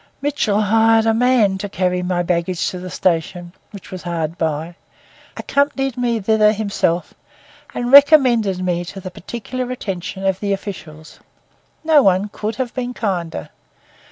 Mitchell hired a man to carry my baggage to the station, which was hard by, accompanied me thither himself, and recommended me to the particular attention of the officials. No one could have been kinder.